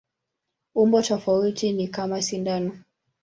Umbo tofauti ni kama sindano.